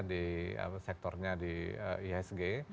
di sektornya di isg